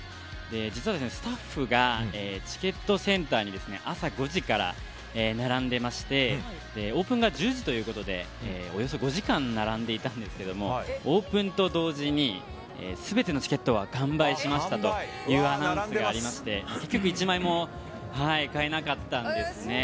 実はスタッフがチケットセンターに朝５時から並んでいましてオープンが１０時ということでおよそ５時間並んでいたんですけどもオープンと同時に全てのチケットは完売しましたというアナウンスがありまして結局１枚も買えなかったんですね。